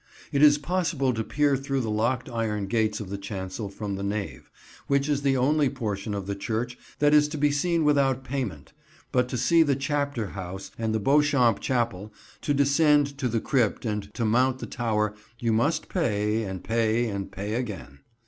It is possible to peer through the locked iron gates of the chancel from the nave, which is the only portion of the church that is to be seen without payment, but to see the chapter house, and the Beauchamp Chapel, to descend to the crypt and to mount the tower, you must pay and pay and pay again.